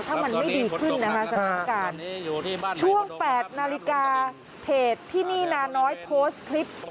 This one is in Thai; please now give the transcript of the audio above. ถ้ามันไม่ดีขึ้นนะคะสถานการณ์ช่วง๘นาฬิกาเพจที่นี่นาน้อยโพสต์คลิป